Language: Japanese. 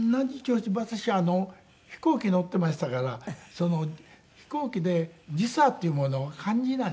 私飛行機乗っていましたから飛行機で時差っていうものを感じないんですねあんまり。